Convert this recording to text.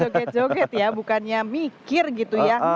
joget joget ya bukannya mikir gitu ya